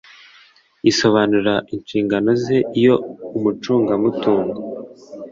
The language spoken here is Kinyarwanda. isobanura inshingano ze Iyo umucungamutungo